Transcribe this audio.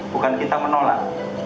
bukan kita menolak